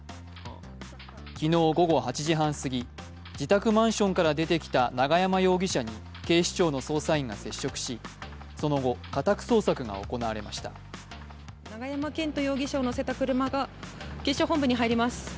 昨日午後８時半過ぎ、自宅マンションから出てきた永山容疑者に警視庁の捜査員が接触し、その後、家宅捜索が行われました永山絢斗容疑者を乗せた車が警視庁本部に入ります。